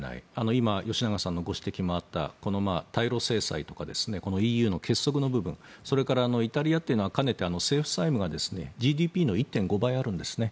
今、吉永さんのご指摘にもあった対ロ制裁とかＥＵの結束の部分それからイタリアというのはかねて、政府債務はＧＤＰの１．５倍あるんですね。